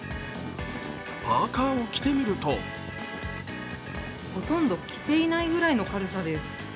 パーカを着てみるとほとんど着ていないぐらいの軽さです。